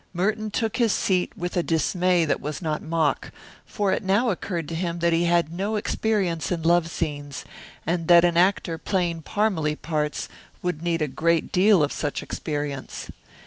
Merton took his seat with a dismay that was not mock, for it now occurred to him that he had no experience in love scenes, and that an actor playing Parmalee parts would need a great deal of such experience.